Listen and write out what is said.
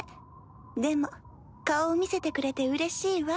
でも顔を見せてくれてうれしいわ。